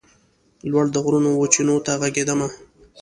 لوړ د غرونو وچېنو ته ږغېدمه